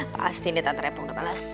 pasti ini tante rempong udah balas